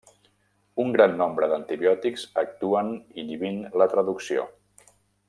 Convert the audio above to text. Un gran nombre d'antibiòtics actuen inhibint la traducció.